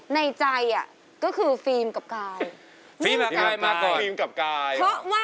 ในใจอ่ะก็คือฟีมกับกาย